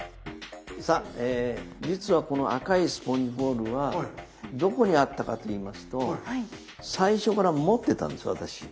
さあ実はこの赤いスポンジボールはどこにあったかといいますと最初から持ってたんです私。